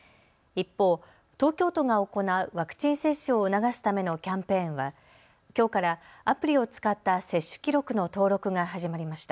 一方、東京都が行うワクチン接種を促すためのキャンペーンはきょうからアプリを使った接種記録の登録が始まりました。